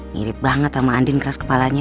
mirip banget sama andin keras kepalanya